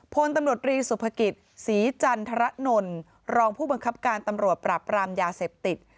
พลตำรวจรีสุภกิจศรีจันทรนนท์รองผู้บังคับการตำรวจปราบรามยาเสพติด